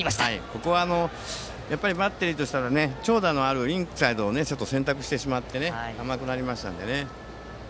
ここはバッテリーとしては長打のあるインサイドを選択してしまって甘くなりましたのでね。